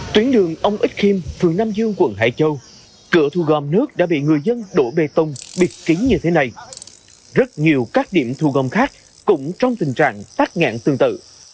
tuyến đường ông ích kim phường nam dương quận hải châu cửa thu gom nước đã bị người dân đổ bê tông biệt kính như thế này rất nhiều các điểm thu gom khác cũng trong tình trạng tắt ngạn tương tự